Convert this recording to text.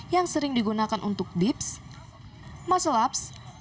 yang sering digunakan untuk dips muscle ups